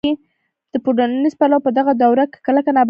په ټولنیز پلوه په دغه دوره کې کلکه نابرابري واکمنه وه.